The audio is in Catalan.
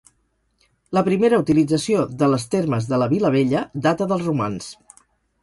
La primera utilització de les termes de La Vilavella data dels romans.